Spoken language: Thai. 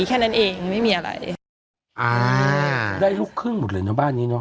แค่นั้นเองไม่มีอะไรอ่าได้ลูกครึ่งหมดเลยนะบ้านนี้เนอ